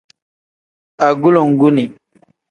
Agulonguni.